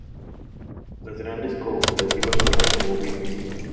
Las granjas cooperativas fueron promovidas.